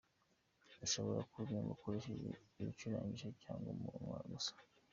Ushobora kuririmba ukoresheje ibicurangisho cyangwa umunwa gusa.